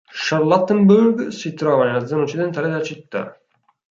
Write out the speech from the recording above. Charlottenburg si trova nella zona occidentale della città.